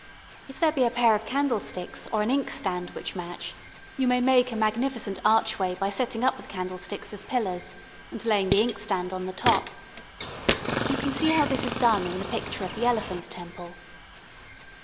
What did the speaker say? If there be a pair of candlesticks or an inkstand which match, you may make a magnificent archway by setting up the candlesticks as pillars and laying the inkstand on the top. You can see how this is done in the picture of the Elephant Temple.